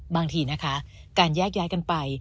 บางทีนะคะการแยกย้ายกันไป